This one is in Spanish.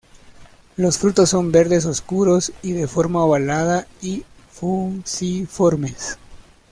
Los frutos son verdes oscuros de forma ovalada y fusiformes.